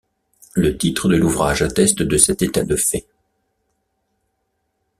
Le titre de l'ouvrage atteste de cet état de fait.